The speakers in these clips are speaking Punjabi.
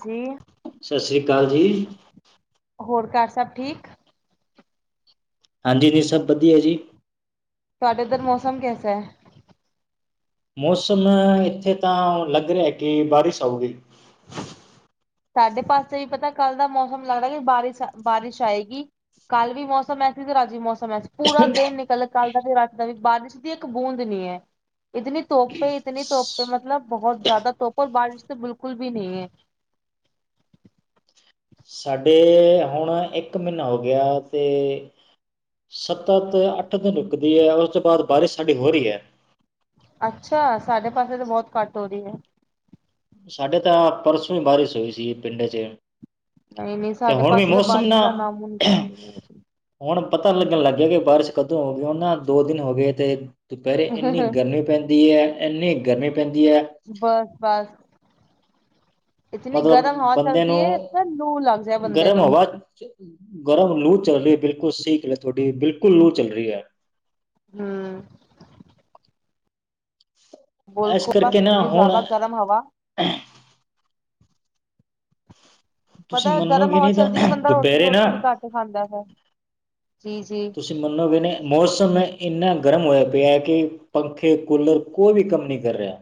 ਜੀ ਸਸ ਰੀ ਕਾਲ ਜੀ। ਹੋਰ ਕਰ ਸਭ ਠੀਕ? ਹਾਂਜੀ ਜੀ ਸਭ ਬਧੀਆ ਜੀ। ਤੁਹਾਡੇ ਏਧਰ ਮੌਸਮ ਕੈਸਾ ਹੈ? ਮੌਸਮ ਇੱਥੇ ਤਾਂ ਲੱਗ ਰਿਹਾ ਹੈ ਕਿ ਬਾਰਿਸ ਆਊਗੀ। ਸਾਡੇ ਪਾਸੇ ਵੀ ਪਤਾ ਕੱਲ ਦਾ ਮੌਸਮ ਲੱਗਦਾ ਕਿ ਬਾਰਿਸ ਬਾਰਿਸ਼ ਆਏਗੀ। ਕੱਲ ਵੀ ਮੌਸਮ ਐ ਸੀ ਤੇ ਰਜ ਵੀ ਮੌਸਮ ਅਜ ਪੂਰਾ ਦਿਨ ਨਿਕਲ ਕੱਲ ਦਾ ਫੇਰ ਰਾਤ ਦਾ ਵੀ ਬਾਰਿਸ਼ ਦੀ ਇੱਕ ਬੂੰਦ ਨੀ ਹੈ ਇਤਨੀ ਧੁੱਪ ਏ, ਇਤਨੀ ਧੁੱਪ ਏ ਮਤਲਬ ਬਹੁਤ ਜ਼ਿਆਦਾ ਧੁੱਪ ਏ ਅਰ ਬਾਰਿਸ਼ ਬਿਲਕੁਲ ਵੀ ਨਈਂ ਏ। ਸਾਡੇ ਹੁਣ ਇੱਕ ਮਹੀਨਾਂ ਹੋ ਗਿਆ ਤੇ ਸੱਤਾ ਤੇ ਅੱ ਅੱਛਾ! ਸਾਡੇ ਪਾਸੇ ਤੇ ਬਹੁਤ ਘੱਟ ਹੋ ਰਹੀ ਹੈ। ਸਾਡੇ ਤਾਂ ਪਰਸੋਂ ਇ ਬਾਰਿਸ ਹੋਈ ਸੀ ਪਿੰਡ ਚ। ਨਹੀਂ-ਨਹੀਂ ਸਾਡੇ ਹੁਣ ਵੀ ਪਾਸੇ ਤੇ ਮੌਸਮ ਬਾਰਿਸ਼ ਨਾ ਦਾ ਨਾਮੋਨਿਸ਼ਾਨ ਹੁਣ ਪਤਾ ਲੱਗਣ ਲੱਗ ਗਿਆ ਕਿ ਬਾਰਿਸ਼ ਕਦੋਂ ਆਊਗੀ ਹੁਣ ਨਾ ਦੋ ਦਿਨ ਹੋ ਗਏ ਆ ਤੇ ਦੁਪਹਿਰੇ ਇੰਨੀ ਹੈ ਗਰਮੀ ਪੈਂਦੀ ਹੈ ਏਨੀ ਗਰਮੀ ਪੈਂਦੀ ਹੈ ਬਸ-ਬਸ। ਮਤਲਬ ਹਵਾ ਬੰਦੇ ਚੱਲਦੀ ਹੈ ਇਸ ਨੂੰ, ਲੂ ਲੱਗ ਜਾਏ ਬੰਦੇ ਗਰਮ ਨੂੰ ਹਵਾ, ਗਰਮ ਲੂ ਚੱਲ ਰਹੀ [unintelligible] ਹੈ ਤੁਹਾਡੀ ਬਿਲਕੁਲ ਲੂ ਚੱਲ ਰਹੀ ਹੈ। ਹੂੰ ਬੋਲ ਇਸ ਕੋਲਾ ਕਰਕੇ ਨਾ ਕਿਤਨੀ ਹੁਣ ਜ਼ਿਆਦਾ ਗਰਮ ਹਵਾ ਤੁਸੀਂ ਪਤਾ ਗਰਮ ਮੰਨੋਗੇ ਹਵਾ ਨਹੀਂ ਤਾਂ ਚਲਦੀ ਤੇ ਬੰਦਾ ਦੁਪਹਿਰੇ ਨਾ ਰੋਟੀ-ਰੂਟੀ ਵੀ ਘੱਟ ਖਾਂਦਾ ਫੇਰ। ਤੁਸੀ ਮੰਨੋਗੇ ਨਹੀ ਮੌਸਮ ਇੰਨਾ ਗਰਮ ਹੋਇਆ ਪਿਆ ਕਿ ਪੱਖੇ, ਕੂਲਰ ਕੋਈ ਵੀ ਕੰਮ ਨਈ ਕਰ ਰਿਹਾ।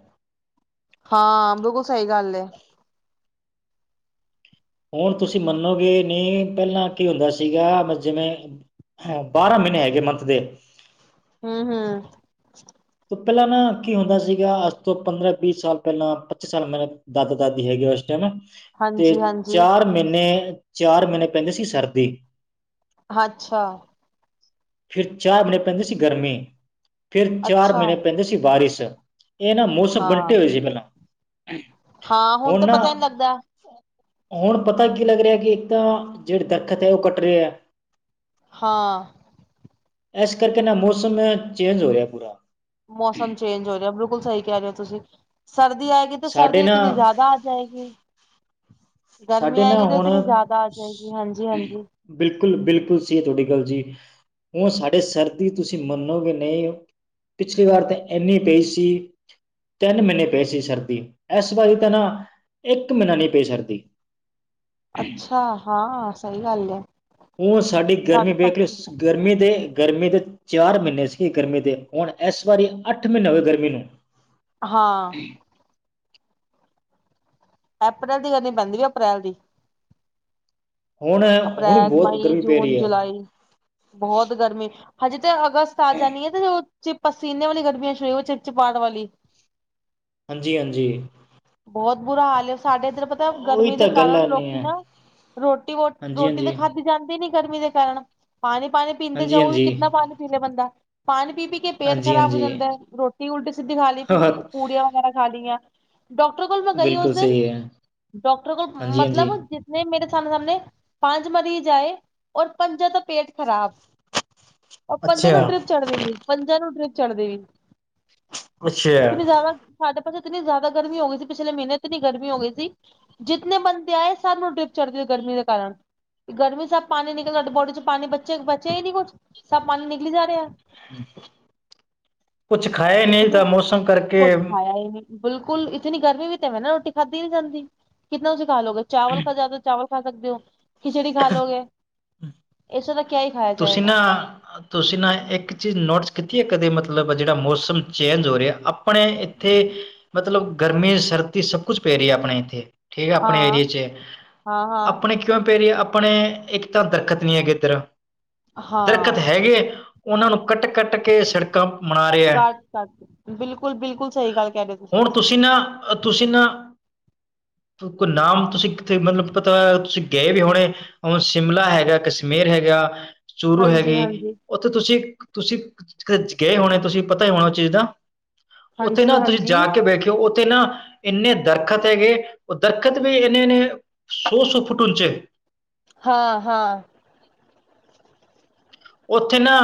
ਹਾਂ ਬਿਲਕੁਲ ਸਹੀ ਗੱਲ ਏ। ਹੁਣ ਤੁਸੀਂ ਮੰਨੋਗੇ ਨਹੀਂ ਪਹਿਲਾਂ ਕੀ ਹੁੰਦਾ ਸੀਗਾ ਬਸ ਜਿਵੇਂ ਹੈ ਬਾਰਾਂ ਮਹੀਨੇ ਹੈਗੇ ਮੰਥ ਦੇ। ਹੂੰ ਹੂੰ ਤੋਂ ਪਹਿਲਾਂ ਨਾ ਕੀ ਹੁੰਦਾ ਸੀਗਾ ਅੱਜ ਤੋਂ ਪੰਦਰਾਂ ਵੀਹ ਸਾਲ ਪਹਿਲਾਂ ਪੱਚੀ ਸਾਲ ਮੇਰੇ ਦਾਦਾ ਦਾਦੀ ਹੈਗੇ ਉਸ ਟਾਈਮ ਤੇ ਹਾਂਜੀ ਹਾਂਜੀ ਚਾਰ ਮਹੀਨੇ-ਚਾਰ ਮਹੀਨੇ ਪੈਂਦੇ ਸੀ ਸਰਦੀ। ਅੱਛਾ। ਫਿਰ ਚਾਰ ਮਹੀਨੇ ਪੈਂਦੀ ਗਰਮੀ। ਫਿਰ ਚਾਰ ਅੱਛਾ ਮਹੀਨੇ ਪੈਂਦੀ ਸੀ ਬਾਰਿਸ਼। ਇਹ ਨਾ ਮੌਸਮ ਹਾਂ ਬੰਟੇ ਹੋਏ ਸੀ ਪਹਿਲਾਂ। ਹਾਂ ਹੁਣ ਤਾਂ ਹੁਣ ਪਤਾ ਕੀ ਲੱਗ ਰਿਹਾ ਕਿ ਇੱਕ ਤਾਂ, ਜਿਹੜੇ ਦੱਖਤ ਹੈ ਉਹ ਕੱਟ ਰਹੇ ਹੈ। ਹਾਂ। ਇਸ ਕਰਕੇ ਨਾ ਮੌਸਮ ਚੇਂਜ ਹੋ ਰਿਹਾ ਪੂਰਾ। ਮੌਸਮ ਚੇਂਜ ਹੋ ਰਿਹਾ ਬਿਲਕੁਲ ਸਹੀ ਕਹਿ ਰਹੇ ਹੋ ਤੁਸੀਂ। ਸਰਦੀ ਆਏਗੀ ਤਾਂ ਸਰਦੀ ਸਾਡੇ ਨਾ ਇਤਨੀ ਜ਼ਿਆਦਾ ਆ ਜਾਏਗੀ। ਗਰਮੀ ਸਾਡੇ ਨਾ ਆਏਗੀ ਤੇ ਹੁਣ, ਇਤਨੀ ਜ਼ਿਆਦਾ ਆ ਜਾਏਗੀ ਹਾਂਜੀ ਹਾਂਜੀ ਬਿਲਕੁਲ-ਬਿਲਕੁਲ ਸਹੀ ਹੈ ਤੁਹਾਡੀ ਗੱਲ ਜੀ। ਹੁਣ ਸਾਡੇ ਸਰਦੀ ਤੁਸੀਂ ਮੰਨੋਗੇ ਨਹੀਂ ਪਿਛਲੀ ਵਾਰ ਤਾਂ ਇੰਨੀ ਪਈ ਸੀ, ਤਿੰਨ ਮਹੀਨੇ ਪਏ ਸੀ ਸਰ ਦੀ ਇਸ ਵਾਰੀ ਤਾਂ ਨਾ ਇੱਕ ਮਹੀਨਾ ਨੀ ਪਈ ਸਰਦੀ। ਅੱਛਾ ਹਾਂ ਸਹੀ ਗੱਲ ਏ। ਉਹ ਸਾਡੀ ਗਰਮੀ ਵੇਖ ਕੇ ਗਰਮੀ ਦੇ ਗਰਮੀ ਦੇ ਚਾਰ ਮਹੀਨੇ ਸੀਗੇ ਗਰਮੀ ਦੇ। ਹੁਣ ਇਸ ਵਾਰੀ ਅੱਠ ਮਹੀਨੇ ਹੋਏ ਗਰਮੀ ਨੂੰ। ਹਾਂ। ਅਪ੍ਰੈਲ ਦੀ ਗਰਮੀ ਪੈਂਦੀ ਆ ਅਪ੍ਰੈਲ ਦੀ। ਹੁਣ ਹੁਣ ਅਪ੍ਰੈਲ, ਬਹੁਤ ਮਈ, ਗਰਮੀ ਪੈ ਜੂਨ, ਰਹੀ ਹੈ ਜੁਲਾਈ ਬਹੁਤ ਗਰਮੀ। ਹਜੇ ਤਾਂ ਅਗਸਤ ਆ ਜਾਣੀ ਆ ਤੇ ਜਦੋਂ ਪਸੀਨੇ ਵਾਲੀ ਗਰਮੀਆਂ ਸ਼ੁਰੂ ਚਿਪ ਚਿਪਾਹਟ ਵਾਲੀ। ਹਾਂਜੀ-ਹਾਂਜੀ। ਬਹੁਤ ਬੁਰਾ ਹਾਲ ਏ ਸਾਡੇ ਇੱਧਰ ਪਤਾ ਗਰਮੀ ਦੇ ਗੱਲ ਕਾਰਨ ਆਨੀ ਲੋਕੀ ਹੈ ਨਾ, ਰੋਟੀ ਵੋਟੀ ਹਾਂਜੀ ਰੋਟੀ ਹਾਂਜੀ ਤਾਂ ਖਾਧੀ ਜਾਂਦੀ ਨੀ ਗਰਮੀ ਦੇ ਕਾਰਨ, ਪਾਣੀ ਪਾਣੀ ਪੀਂਦੇ ਹਾਂਜੀ ਜਾਓ ਵੀ ਹਾਂਜੀ ਕਿੰਨਾ ਪਾਣੀ ਪੀ ਲਏ ਬੰਦਾ। ਪਾਣੀ ਪੀ-ਪੀ ਕੇ ਪੇਟ ਹਾਂਜੀ ਖ਼ਰਾਬ ਹੋ ਹਾਂਜੀ ਜਾਂਦਾ, ਰੋਟੀ ਉਲਟੀ ਸਿੱਧੀ ਖਾ ਲਈ ਪੂੜੀਆਂ ਵਗੈਰਾ ਖਾ ਲਈਆਂ। ਡਾਕਟਰ ਕੋਲ ਮੈਂ ਗਈ ਉਸ ਬਿਲਕੁਲ ਦਿਨ, ਸਹੀ ਹੈ ਡਾਕਟਰ ਕੋਲ ਹਾਂਜੀ ਹਾਂਜੀ ਮਤਲਬ ਜਿਸਨੇ ਮੇਰੇ ਸਾਮ ਸਾਹਮਣੇ ਪੰਜ ਮਰੀਜ਼ ਆਏ, ਔਰ ਪੰਜਾਂ ਦਾ ਪੇਟ ਖਰਾਬ। ਉਹ ਪੰਜਾਂ ਅੱਛਾ ਨੂੰ ਡਰਿੱਪ ਚੜ੍ਹਦੇ ਵੀ, ਪੰਜਾਂ ਨੂੰ ਡਰਿੱਪ ਚੜਦੇ ਵੀ। ਇੱਕ ਅੱਛਾ ਨੂੰ ਜਾਵਾਂ [unintelligible] ਸ ਇਤਨੀ ਜ਼ਿਆਦਾ ਗਰਮੀ ਹੋ ਗਈ ਸੀ, ਪਿਛਲੇ ਮਹੀਨੇ ਇਤਨੀ ਗਰਮੀ ਹੋ ਗਈ ਸੀ, ਜਿਤਨੇ ਬੰਦੇ ਆਏ ਸਭ ਨੂੰ ਡਰਿੱਪ ਚੜ੍ਹ ਗਈ। ਗਰਮੀ ਦੇ ਕਾਰਨ। ਗਰਮੀ 'ਚ ਸਭ ਪਾਣੀ ਨਿਕਲ ਰਿਹਾ, ਬੋਡੀ 'ਚ ਪਾਣੀ ਬੱਚੇ ਬਚਿਆ ਹੀ ਨੀ ਕੁੱਝ, ਸਭ ਪਾਣੀ ਨਿਕਲੀ ਜਾ ਰਿਹਾ। ਕੁਛ ਖਾਏ ਨਹੀਂ ਇਤਨੀ ਤਾਂ ਮੌਸਮ ਕਰਕੇ। ਕੁਛ ਖਾਇਆ ਹੀ ਨਹੀਂ ਬਿਲਕੁਲ ਇਤਨੀ ਗਰਮੀ ਵੀ ਤਾਂ ਹੈ ਨਾ, ਰੋਟੀ ਖਾਧੀ ਨੀ ਜਾਂਦੀ, ਕਿਤਨਾ ਤੁਸੀਂ ਖਾ ਲੋਗੇ ਚਾਵਲ ਖਾ ਜਾਉਗੇ ਚਾਵਲ। ਖਾ ਸਕਦੇ ਹੋ, ਖਿਚੜੀ ਖਾ ਲੋੋਗੇ, ਏਸੇ ਤਾਂ ਤੁਸੀਂ ਨਾ, ਤੁਸੀਂ ਨਾ, ਇੱਕ ਚੀਜ਼ ਨੋਟਸ ਕੀਤੀ ਹੈ, ਕਦੇ ਮਤਲਬ ਜਿਹੜਾ ਮੌਸਮ ਚੇਂਜ ਹੋ ਰਿਹਾ, ਆਪਣੇ ਇੱਥੇ ਮਤਲਬ ਗਰਮੀ ਸਰਦੀ ਸਭ ਕੁਛ ਪੈ ਰਹੀ ਹੈ, ਆਪਣੇ ਇੱਥੇ। ਠੀਕ ਹੈ, ਆਪਣੇ ਏਰੀਏ 'ਚ, ਆਪਣੇ ਕਿਉਂ ਪੈ ਰਹੀ ਏ। ਆਪਣੇ, ਇੱਕ ਤਾਂ ਦਰਖਤ ਨੀ ਹੈਗੇ ਇੱਧਰ। ਦਰਖਤ ਹਾਂ ਹੈਗੇ, ਉਹਨਾਂ ਨੂੰ ਕੱਟ- ਕੱਟ ਕੇ ਸੜਕਾਂ ਮਨਾ ਰਿਹਾ, ਕੱਟ ਕੱਟ ਬਿਲਕੁਲ ਬਿਲਕੁਲ ਸਹੀ ਗੱਲ ਕਹਿ ਰਹੇ ਹੋ ਹੁਣ ਤੁਸੀਂ ਨਾ, ਤੁਸੀਂ ਨਾ ਕੋਈ ਨਾਮ, ਤੁਸੀਂ ਕਿੱਥੇ ਮਤਲਬ ਪਤਾ ਏ, ਤੁਸੀਂ ਗਏ ਵੀ ਹੋਣੇ, ਹੁਣ ਸ਼ਿਮਲਾ ਹੈਗਾ, ਕਸ਼ਮੀਰ ਹੈਗਾ। ਚੂਰੋ ਹਾਂਜੀ ਹੈਗੀ, ਹਾਂਜੀ ਉੱਥੇ ਤੁਸੀਂ ਤੁਸੀਂ ਗਏ ਹੋਣੇ ਤੁਸੀਂ ਪਤਾ ਹੀ ਹੋਣਾ ਉਸ ਚੀਜ਼ ਦਾ। ਉੱਥੇ ਹਾਂਜੀ ਨਾ ਤੁਸੀਂ ਹਾਂਜੀ ਜਾ ਕੇ ਬੈਠਿਓ ਤੇ ਨਾ ਇੰਨੇ ਦਰਖਤ ਹੈਗੇ, ਉਹ ਦਰਖਤ ਵੀ ਇੰਨੇ ਨੇ, ਸੌ-ਸੌ ਫੁੱਟ ਉੱਚੇ। ਹਾਂ ਹਾਂ। [inaudible] ਉੱਥੇ ਨਾ,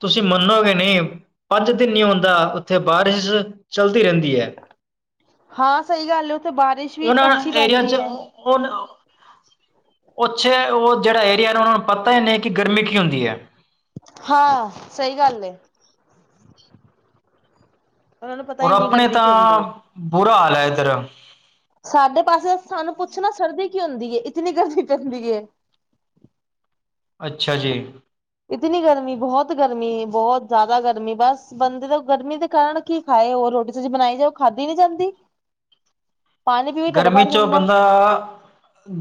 ਤੁਸੀਂ ਮੰਨੋਗੇ ਨੀ ਪੰਜ ਦਿਨ ਨੀ ਹੁੰਦਾ ਉੱਥੇ ਬਾਰਿਸ਼ ਚੱਲਦੀ ਰਹਿੰਦੀ ਹੈ। ਹਾਂ ਸਹੀ ਗੱਲ ਹੈ ਉੱਥੇ ਬਾਰਿਸ਼ ਵੀ ਉਹਨਾਂ ਅੱਛੀ ਏਰੀਆ ਚ ਪੈਂਦੀ ਹੈ। ਉਹ ਉੱਥੇ ਉਹ ਜਿਹੜਾ ਏਰੀਆ ਨਾ ਉਹਨਾਂ ਨੂੰ ਪਤਾ ਹੀ ਨਹੀਂ, ਕਿ ਗਰਮੀ ਕੀ ਹੁੰਦੀ ਹੈ। ਹਾਂ ਸਹੀ ਗੱਲ ਏ। ਉਹਨਾਂ ਨੂੰ ਪਤਾ ਔਰ, ਹੀ ਨਹੀਂ ਆਪਣੇ ਗਰਮੀ ਕੀ ਤਾਂ ਹੁੰਦੀ ਹੈ ਬੁਰਾ ਹਾਲ ਹੈ ਇੱਧਰ। ਸਾਡੇ ਪਾਸੇ, ਸਾਨੂੰ ਪੁੱਛਣਾ ਸਰਦੀ ਕੀ ਹੁੰਦੀ, ਇਤਨੀ ਗਰਮੀ ਪੈਂਦੀ ਹੈ। [unintelligible] ਅੱਛਾ ਜੀ। ਇਤਨੀ ਗਰਮੀ, ਬਹੁਤ ਗਰਮੀ, ਬਹੁਤ ਜ਼ਿਆਦਾ ਗਰਮੀ, ਬਸ ਬੰਦੇ ਦੇ, ਗਰਮੀ ਦੇ ਕਾਰਨ ਕੀ ਖਾਏ ਹੋ। ਉਹ ਰੋਟੀ- ਸਬਜ਼ੀ ਬਣਾਈ ਜਾਓ, ਉਹ ਖਾਦੀ ਨੀ ਜਾਂਦੀ। ਪਾਣੀ ਪੀਵੇ ਢਿੱਡ ਗਰਮੀ ਭਰ ਚੋਂ ਜਾਂਦਾ ਬੰਦਾ,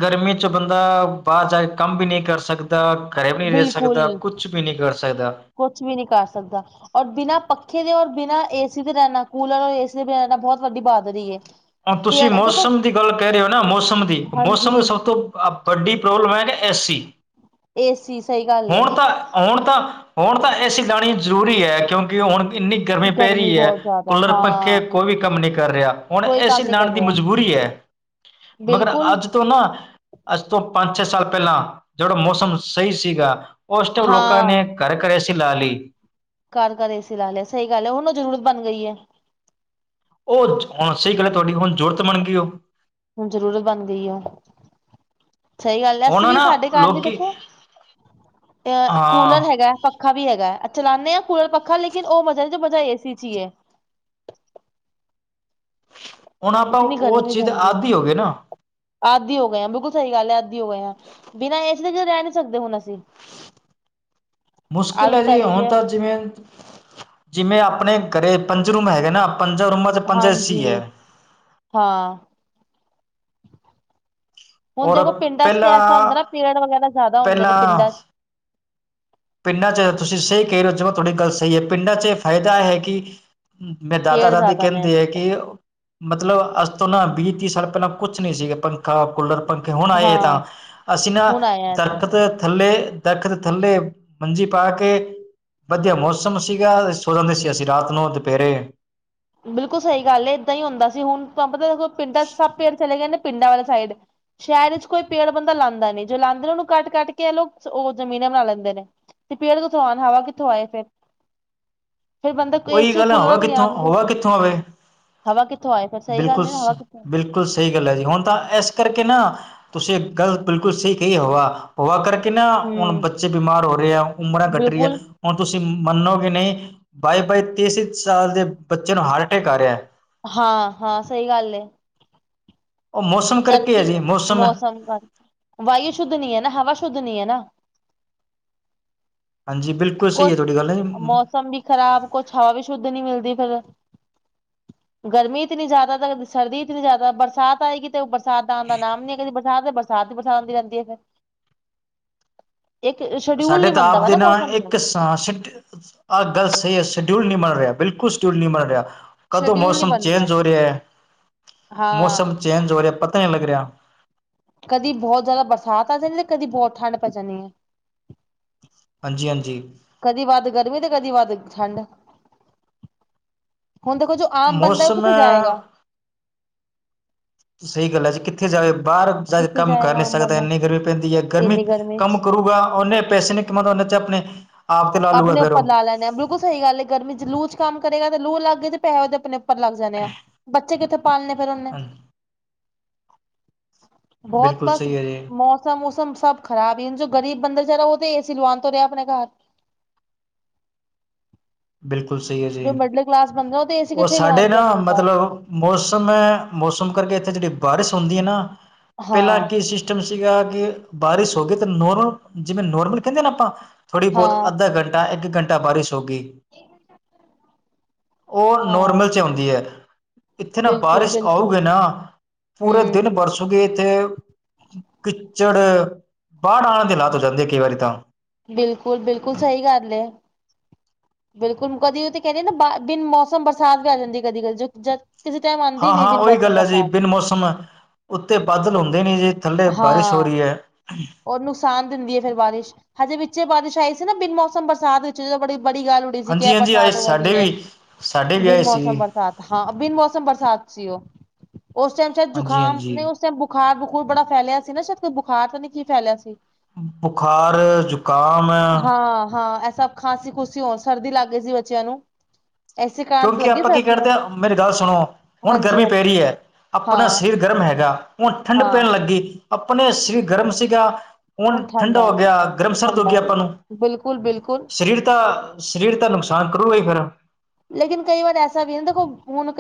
ਗਰਮੀ ਚ ਬੰਦਾ ਬਾਾਹਰ ਜਾ ਕੇ ਕੰਮ ਵੀ ਨਹੀਂ ਕਰ ਸਕਦਾ, ਘਰੇ ਵੀ ਨਹੀਂ ਰਹਿ ਬਿਲਕੁਲ ਸਕਦਾ, ਕੁਛ ਵੀ ਨਹੀਂ ਕਰ ਸਕਦਾ। ਕੁਛ ਵੀ ਨਹੀਂ ਕਰ ਸਕਦਾ, ਔਰ ਬਿਨਾਂ ਪੱਖੇ ਦੇ ਔਰ ਬਿਨਾਂ ਏ ਸੀ ਦੇ ਰਹਿਣਾ, ਕੂਲਰ ਔਰ ਏ ਸੀ ਵਗੈਰਾ ਦੇ ਰਹਿਣਾ ਬਹੁਤ ਵੱਡੀ ਬਹਾਦਰੀ ਏ। ਹੁਣ ਤੁਸੀਂ ਪੇੜ ਦੇਖੋ ਮੌਸਮ ਦੀ ਗੱਲ ਕਹਿ ਰਹੇ ਹੋ ਨਾ, ਮੌਸਮ ਦੀ, ਮੌਸਮ ਦੀ ਹਾਂਜੀ ਸਭ ਤੋਂ ਵੱਡੀ ਪ੍ਰੋਬਲਮ ਹੈ ਕਿ ਏ ਸੀ। ਏ ਸੀ। ਸਹੀ ਗੱਲ ਹੁਣ ਤਾਂ, ਹੁਣ ਤਾਂ, ਹੁਣ ਤਾਂ ਏ ਸੀ ਲੈਣੀ ਜ਼ਰੂਰੀ ਹੈ, ਕਿਉਂਕਿ ਹੁਣ ਇੰਨੀ ਗਰਮੀ ਪੈ ਰਹੀ ਹੈ, ਬਹੁਤ ਜ਼ਿਆਦਾ ਕੁੱਲਰ, ਪੱਖੇ ਹਾਂ ਕੋਈ ਵੀ ਕੰਮ ਨਹੀਂ ਕਰ ਰਿਹਾ, ਹੁਣ ਕੋਈ ਏਸੀ ਕੰਮ ਨੀ ਕਰ ਲਾਣ ਦੀ ਰਿਹਾ ਮਜਬੂਰੀ ਹੈ। ਮਗਰ, ਬਿਲਕੁਲ ਅੱਜ ਤੋਂ ਨਾ ਅੱਜ ਤੋਂ ਪੰਜ, ਛੇ ਸਾਲ ਪਹਿਲਾਂ ਜਿਹੜਾ ਮੌਸਮ ਸਹੀ ਸੀਗਾ ਉਸ ਟਾਈਮ ਲੋਕਾਂ ਹਾਂ ਨੇ ਘਰ- ਘਰ ਏਸੀ ਲਾ, ਲਈ ਘਰ -ਘਰ ਏਸੀ ਲਾ ਲਏ, ਸਹੀ ਗੱਲ ਹੈ। ਹੁਣ ਉਹ ਜਰੂਰਤ ਬਣ ਗਈ ਏ। ਉਹ, ਹੁਣ ਸਹੀ ਗੱਲ ਹੈ ਤੁਹਾਡੀ, ਹੁਣ ਜ਼ਰੂਰਤ ਬਣ ਗਈ ਉਹ। ਜਰੂਰਤ ਬਣ ਗਈ ਹੈ। ਸਹੀ ਗੱਲ ਹੈ, ਅਸੀਂ ਹੁਣ ਵੀ ਨਾ ਸਾਡੇ ਘਰ ਵੀ ਲੋਕੀ ਦੇਖੋ ਹਾਂ ਕੂਲਰ ਹੈਗਾ, ਪੱਖਾ ਵੀ ਹੈਗਾ ਚਲਾਨੇ ਕੂਲਰ, ਪੱਖਾ ਲੇਕਿਨ ਉਹ ਮਜ਼ਾ ਨੀ, ਜੋ ਮਜ਼ਾ ਏਸੀ ਚ ਹੀ ਹੈ। ਹੁਣ, ਆਪਾਂ ਉਸ ਚੀਜ਼ ਦੇ ਆਦੀ ਹੋ ਗਏ ਨਾ ਆਦੀ ਹੋ ਗਏ, ਬਿਲਕੁਲ ਸਹੀ ਗੱਲ ਹੈ ਆਦੀ ਹੋ ਗਏ ਹਾਂ, ਬਿਨਾਂ ਏਸੀ ਤੋਂ ਰਹਿ ਨੀ ਰਹਿ ਸਕਦੇ ਹੁਣ, ਅਸੀਂ। ਮੁਸ਼ਕਿਲ ਹੈ ਆਦਤ ਪੈ ਜੀ ਗਈ ਹੁਣ ਤਾਂ ਜਿਵੇਂ, ਜਿਵੇਂ ਆਪਣੇ ਘਰੇ ਪੰਜਰੂਮ ਹੈਗੇ ਨਾ ਪੰਜ ਰੂਮਾਂ ਚ ਪੰਜੇ ਏਸੀ ਹਾਂਜੀ ਹ। ਖਾਲੀ ਹੁਣ ਔਰ ਦੇਖੋ ਪਿੰਡਾਂ ਚ ਪਹਿਲਾਂ ਐਸਾ ਹੁੰਦਾ ਨਾ ਪੇੜ ਵਗੈਰਾ ਜਿਆਦਾ ਹੁੰਦੇ ਨੇ ਪਹਿਲਾਂ ਪਿੰਡਾਂ। ਪਿੰਡਾਂ ਚ ਤੁਸੀਂ ਸਹੀ ਕਹਿ ਰਹੇ ਹੋ ਤੁਹਾਡੀ ਗੱਲ ਸਹੀ ਹ ਪਿੰਡਾਂ ਚ ਫਾਇਦਾ ਹੈ। ਕੀ ਮੈਂ ਦਾਦਾ ਪੇੜ ਦਾਦੀ ਜ਼ਿਆਦਾ ਨੇ ਕਹਿੰਦੇ ਹ ਕਿ ਮਤਲਬ ਅਰਜਨ ਤੋਂ ਨਾ ਵੀਹ ਪੱਚੀ ਸਾਲ ਪਹਿਲਾਂ ਕੁਝ ਨਹੀਂ ਸੀ ਖੁੱਲਰ। ਪੱਖੇ ਹੁਣ ਆਏ ਹੈ ਹਾਂ ਤਾਂ ਅਸੀਂ ਨਾ ਹੁਣ ਆਇਆ ਇਹ ਤਾਂ ਦਰਖਤ ਥੱਲੇ ਦਰਖਤ ਥੱਲੇ ਹਾਂਜੀ ਪਾ ਕੇ ਵਧੀਆ ਮੌਸਮ ਸੀਗਾ ਸੋਰਾਂ ਦੇ ਸੀ ਰਾਤ ਨੂੰ ਤੇ ਫਿਰ ਬਿਲਕੁਲ ਸਹੀ ਗੱਲ ਹ ਇਦਾਂ ਹੀ ਹੁੰਦਾ ਸੀ ਹੁਣ ਤਾਂ ਪਤਾ ਪਿੰਡਾਂ ਚ ਸਭ ਪੇਰ ਚਲੇ ਗਏ ਨੇ। ਪਿੰਡਾਂ ਵਾਲੇ ਸਾਈਡ ਸ਼ਾਇਦ ਇ ਚ ਕੋਈ ਪੇੜ ਬੰਦਾ ਲਾਂਦਾ ਨਹੀਂ ਜੋ ਲਾਂਦੇ ਨੂੰ ਕੱਟ ਕੱਟ ਕੇ ਉਹ ਜਮੀਨ ਬਣਾ ਲੈਂਦੇ ਨੇ, ਤੇ ਪੇੜ ਕਿੱਥੋਂ ਆਣ, ਹਵਾ ਕਿੱਥੋਂ ਆਏ, ਫੇਰ? ਫਿਰ ਬੰਦੇ, ਏਸੀ, ਕੂਲਰਾਂ ਤੇ ਹੀ ਆਉਣਗੇ। ਹੋਵੇ, ਸਹੀ ਬਿਲਕੁਲ ਗੱਲ ਹੈ ਨਾ ਹਵਾ ਕਿੱਥੋਂ -ਬਿਲਕੁਲ, ਸਹੀ ਗੱਲ ਹੈ ਜੀ, ਹੁਣ ਤਾਂ ਇਸ ਕਰਕੇ ਨਾ ਤੁਸੀਂ, ਇੱਕ ਗੱਲ ਬਿਲਕੁਲ ਸਹੀ ਕਹੀ, ਹਵਾ ਹਵਾ ਕਰਕੇ ਨਾ, ਹੁਣ ਹੂੰ, ਬੱਚੇ ਬਿਮਾਰ ਹੋ ਰਹੇ ਆ, ਉਮਰਾਂ ਘੱਟ ਰਹੀ ਹੈ। ਬਿਲਕੁਲ ਹੁਣ ਤੁਸੀਂ ਮੰਨੋ ਕਿ ਨਹੀਂ, ਬਾਈ -ਬਾਈ, ਤੇਈ -ਤੇਈ, ਸਾਲ ਦੇ ਬੱਚੇ ਨੂੰ, ਹਾਰਟ ਅਟੈਕ ਆ ਰਿਹਾ। ਹਾਂ- ਹਾਂ, ਸਹੀ ਗੱਲ ਹੈ। ਉਹ ਮੌਸਮ ਕਰਕੇ ਹੈ ਜਦਕਿ ਜੀ ਮੌਸਮ, ਵਾਯੂ ਸ਼ੁੱਧ ਨਹੀਂ ਹੈ, ਨਾ ਹਵਾ ਸ਼ੁੱਧ ਹਾਂਜੀ ਬਿਲਕੁਲ ਸਹੀ ਹੈ ਤੁਹਾਡੀ [unintelligible] ਗੱਲ ਜੀ। ਮੌਸਮ ਵੀ ਖਰਾਬ, ਕੁਝ ਹਵਾ ਵੀ ਸ਼ੁੱਧ ਨਹੀਂ ਮਿਲਦੀ ਪਈ ਹੈ। ਗਰਮੀ ਇਤਨੀ ਜ਼ਿਆਦਾ, ਸਰਦੀ ਇਤਨੀ ਜਿਆਦਾ, ਬਰਸਾਤ ਆਏਗੀ ਤੇ ਬਰ ਬਰਸਾਤ ਆਉਣ ਦਾ ਨਾਮ ਨਹੀਂ ਕਦੇ, ਕਦੀ, ਬਰਸਾਤ ਹੀ ਬਰਸਾਤ ਹੁੰਦੀ ਰਹਿੰਦੀ ਫੇਰ ਸਾਡੇ ਤਾਪ ਦੇ ਨਾਲ ਇੱਕ ਸਾਸ। ਜਰੂਰ ਨਹੀਂ ਬਣ ਰਿਹਾ ਬਿਲਕੁਲ ਸਟੂਲ ਨਹੀਂ ਬਣ ਰਿਹਾ ਮੈਨੇ ਆਪਕੋ ਕਦੋਂ ਸ਼ਡਿਊਲ ਨੀ ਮੌਸਮ ਬਣ ਚੇਂਜ ਹੋ ਰਿਹਾ ਹਾਂ, ਮੌਸਮ ਚੇਂਜ ਹੋ ਰਿਹਾ। ਲੱਗ ਰਿਹਾ। ਕਦੀ ਬਹੁਤ ਜਿਆਦਾ ਬਰਸਾਤ ਆ ਜਾਂਦੀ ਤੇ ਕਦੀ ਬਹੁਤ ਠੰਡ ਪੈ ਜਾਂਦੀ। ਹਾਂਜੀ ਹਾਂਜੀ ਕਦੀ ਵੱਧ ਗਰਮੀ ਤੇ ਕਦੀ ਵੱਧ ਠੰਡ। ਹੁਣ ਦੇਖੋ ਜੋ ਆਮ ਬੰਦਾ ਮੌਸਮ ਕਿਤੇ ਜਾਏਗਾ। ਸਹੀ ਗੱਲ ਹੈ ਜੀ ਕਿੱਥੇ ਜਾ ਕੇ ਪਰ ਸਰ ਕਿੱਥੇ ਕਮ ਕਰ ਜਾਏਗਾ ਨਹੀਂ ਆਮ ਸਕਦੇ ਬੰਦਾ ਇਨੀ ਗਰਮੀ ਪੈਂਦੀ ਹ ਗਰਮੀ ਇੰਨੀ ਕੰਮ ਚ ਕਰੂਗਾ ਉਨੇ ਨੱਚ ਆਪਣੇ ਆਪ ਤੇ ਲਾ ਲੂਗਾ ਆਪਣੇ ਫੇਰ ਉੱਪਰ ਉਹ ਲਾ ਲੈਦੇ ਆ ਬਿਲਕੁਲ ਸਹੀ ਗੱਲ ਹ ਗਰਮੀ ਜਲੂਸ ਕੰਮ ਕਰੇਗਾ ਤੇ ਲੂ ਲੱਗ ਗਏ ਤੇ ਪੈਸੇ ਪਤਾ ਲੱਗ ਜਾਦੇ ਆ ਬੱਚੇ ਕਿੱਥੇ ਪਾਲਣੇ ਫਿਰ ਬੋਤ ਬਿਲਕੁਲ ਬਸ ਸਹੀ ਹੈ ਜੀ ਮੌਸਮ ਮੂਸਮ ਸਭ ਖਰਾਬ ਇੰਝ ਜੋ ਗ਼ਰੀਬ ਬੰਦਾ ਜੇਰਾ ਓ ਤੇ ਏ ਸੀ ਲਵਾਣ ਤੋਂ ਰਿਆ ਆਪਣੇ ਘਰ ਬਿਲਕੁੱਲ ਸਈ ਐ ਜੀ। ਜੋ ਮਿਡਲ ਕਲਾਸ ਬੰਦਾ ਉਹ ਤੇ ਏਸੀ ਓ ਕਿੱਥੇ ਸਾਡੇ ਲਵਾਉਣਗੇ ਨਾ ਆਪਣੇ ਘਰ ਮਤਲਬ ਮੌਸਮ-ਮੌਸਮ ਕਰਕੇ ਏ ਜੇੜੀ ਬਾਰਿਸ਼ ਹੁੰਦੀ ਐ ਨਾ ਪਿਲਾ ਹਾਂ ਕੀ ਸਿਸਟਮ ਸੀਗਾ ਕਿ ਬਾਰਿਸ਼ ਹੋਗੀ ਤੇ ਨੋਰਮਲ ਜਿਵੇਂ ਨੋਰਮਲ ਕੇਂਦੇ ਆ ਨਾ ਆਪਾਂ ਥੋੜ੍ਹੀ ਬੋਤ ਹਾਂ ਅੱਧਾ ਘੰਟਾ ਇੱਕ ਘੰਟਾ ਬਾਰਿਸ਼ ਹੋ ਗੀ। ਓ ਹਾਂ ਨੋਰਮਲ ਚ ਓਂਦੀ ਐ ਇੱਥੇ ਨਾ ਬਿਲਕੁਲ ਬਾਰਿਸ਼ ਆਉ ਬਿਲਕੁਲ ਗੇ ਨਾ ਪੂਰੇ ਹਮ ਦਿਨ ਵਰਸੋਗੇ ਇੱਥੇ ਕਿੱਚੜ ਬਾੜ ਆਣ ਦੇ ਹਾਲਾਤ ਹੋ ਜਾਂਦੇ ਆ ਕਈ ਵਾਰੀ ਤਾਂ ਬਿਲਕੁੱਲ ਬਿਲਕੁੱਲ ਸਈ ਗੱਲ ਐ ਬਿਲਕੁੱਲ ਕਦੀ ਓ ਤੇ [unintelligible] ਨਾ ਬਿਨ ਮੌਸਮ ਬਰਸਾਤ ਵੀ ਆ ਜਾਂਦੀ ਕਦੀ-ਕਦੀ ਜ ਜਦ ਕਿਸੇ ਟਾਈਮ ਆਉਂਦੀ ਨੀ ਹਾਂ-ਹਾਂ ਬਿਨ ਓਹੀ ਮੌਸਮ ਗੱਲ ਐ ਜੀ ਬਰਸਾਤ ਬਿਨ ਮੌਸਮ ਉੱਤੇ ਬਾਦਲ ਹੁੰਦੇ ਨੇ ਜੀ ਥੱਲੇ ਬਾਰਿਸ਼ ਹੋ ਰੀ ਐ ਓ ਨੁਕਸਾਨ ਦਿੰਦੀ ਐ ਫਿਰ ਬਾਰਿਸ਼ ਹਜੇ ਵਿੱਚੇ ਬਾਰਿਸ਼ ਆਈ ਸੀ ਨਾ ਬਿਨ ਮੌਸਮ ਬਰਸਾਤ ਵਿੱਚ ਜਦੋਂ ਬੜੀ ਬੜੀ ਗੱਲ ਉੜੀ ਸੀ ਕਿਆ ਹਾਂਜੀ ਹਾਂਜੀ ਆਏ ਬਰਸਾਤ ਹੋਦੀ ਸਾਡੇ ਐ ਵੀ ਸਾਡੇ ਵੀ ਬਿਨ ਆਏ ਸੀ ਮੌਸਮ ਬਰਸਾਤ ਹਾਂ ਬਿਨ ਮੌਸਮ ਬਰਸਾਤ ਸੀ ਉਹ। ਉਸ ਟਾਈਮ ਸ਼ਾਇਦ ਹਾਂਜੀ ਜੁਖਾਮ ਹਾਂਜੀ ਨਈ ਉਸ ਟਾਈਮ ਬੁਖਾਰ ਬਖੂਰ ਬੜਾ ਫੈਲਿਆ ਸੀ ਨਾ ਸ਼ਾਇਦ ਕੋਈ ਬੁਖਾਰ ਤਾਂ ਨੀ ਕੀ ਫੈਲਿਆ ਸੀ। ਬੁਖਾਰ, ਜ਼ੁਕਾਮ ਸਭ ਖਾਂਸੀ ਖੁੰਸੀ ਹੋਣ ਸਰਦੀ ਲੱਗ ਗਈ ਸੀ ਬੱਚਿਆਂ ਨੂੰ ਐਸੇ ਕਾਰਨ ਤਾਂ ਕਿਉਂਕਿ ਲੱਗੀ ਆਪਾਂ ਕੀ ਕਰਦੇ ਸਰਦੀਆਂ ਆ ਮੇਰੀ ਗੱਲ ਸੁਣੋ ਹੁਣ ਹਾਂਜੀ ਗਰਮੀ ਪੈ ਹਾਂਜੀ ਰਹੀ ਐ ਹਾਂ ਆਪਣਾਸਿਰ ਗਰਮ ਹੈਗਾ। ਹੁਣ ਠੰਡ ਹਾਂ ਪੈਣ ਲੱਗੀ ਆਪਣਾ ਸਰੀਰ ਗਰਮ ਸੀਗਾ। ਹੁਣ ਠੰਡਾ ਹੋ ਗਿਆ ਗਰਮ ਸਰਦ ਹੋ ਗਈ ਆਪਾਂ ਨੂੰ। ਸਰੀਰ ਤਾਂ ਸਰੀਰ ਤਾਂ ਨੁਕਸਾਨ ਕਰੂਗਾ ਈ ਫੇਰ। ਲੇਕਿਨ ਕਈ ਵਾਰ ਐਸਾ ਵੀ ਨਾ ਦੇਖੋ ਹੁਣ ਕਈ